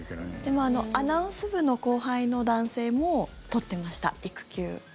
でもアナウンス部の後輩の男性も取ってました、育休。